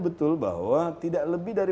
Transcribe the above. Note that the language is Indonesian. betul bahwa tidak lebih dari